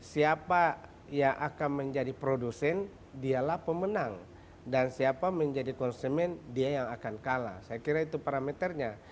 siapa yang akan menjadi produsen dialah pemenang dan siapa menjadi konsumen dia yang akan kalah saya kira itu parameternya